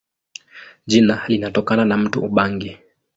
Jina linatokana na mto Ubangi.